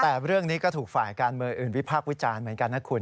แต่เรื่องนี้ก็ถูกฝ่ายการเมืองอื่นวิพากษ์วิจารณ์เหมือนกันนะคุณ